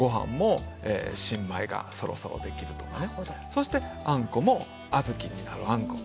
そしてあんこも小豆になるあんこ。